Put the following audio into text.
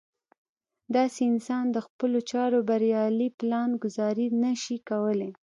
داسې انسان د خپلو چارو بريالۍ پلان ګذاري نه شي کولی.